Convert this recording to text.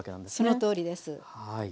そのとおりです。